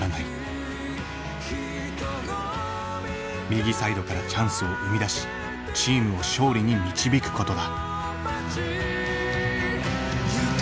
右サイドからチャンスを生み出しチームを勝利に導くことだ。